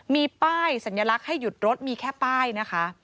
มีป้ายสัญลักษณ์ให้หยุดรถมีแค่ป้ายนะคะ